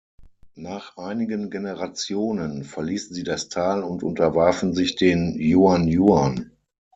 Nach einigen Generationen verließen sie das Tal und unterwarfen sich den Juan Juan.